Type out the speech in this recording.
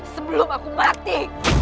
sebelum aku mati